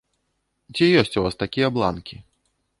Ці ёсць у вас такія бланкі?